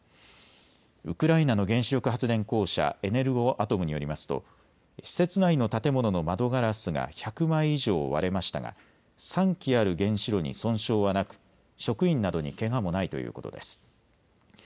ウクライナの原子力発電公社、エネルゴアトムによりますと施設内の建物の窓ガラスが１００枚以上割れましたが３基ある原子炉に損傷はなく職員などにけがもないということです。